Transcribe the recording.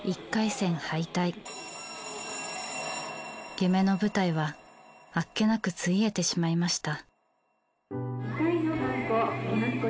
夢の舞台はあっけなくついえてしまいました。